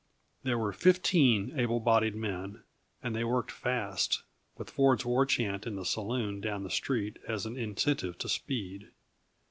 There were fifteen able bodied men, and they worked fast, with Ford's war chant in the saloon down the street as an incentive to speed.